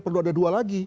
perlu ada dua lagi